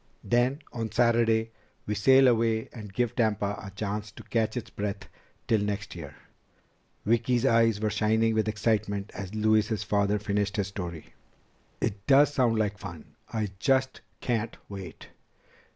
Then, on Saturday, we sail away and give Tampa a chance to catch its breath until next year." Vicki's eyes were shining with excitement as Louise's father finished his story. "It does sound like fun! I just can't wait!"